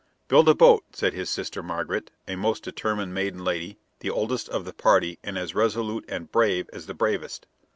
"Build a boat," said his sister Margaret, a most determined maiden lady, the oldest of the party and as resolute and brave as the bravest.